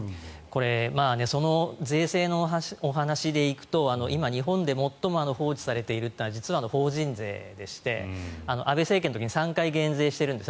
これ、税制のお話でいくと今、日本で最も放置されているのは実は法人税でして安倍政権の時に３回減税してるんです。